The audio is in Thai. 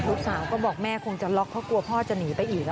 ลูกสาวก็บอกแม่คงจะล็อกเพราะกลัวพ่อจะหนีไปอีก